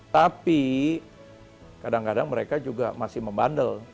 tapi kadang kadang mereka juga masih membandel